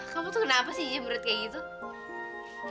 kamu tuh kenapa sih cemberut kayak gitu